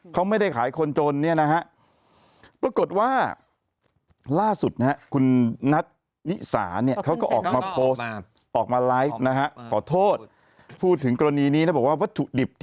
แอรี่แอรี่แอรี่แอรี่แอรี่แอรี่แอรี่แอรี่แอรี่แอรี่แอรี่แอรี่